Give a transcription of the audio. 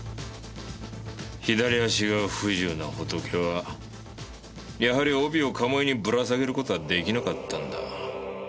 左足が不自由なホトケはやはり帯を鴨居にぶら下げる事は出来なかったんだ。